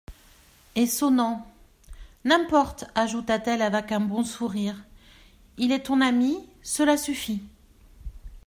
Et sonnant : N'importe, ajouta-t-elle avec un bon sourire ; il est ton ami, cela suffit.